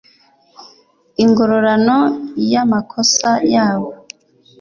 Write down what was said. ingororano y amakosa yabo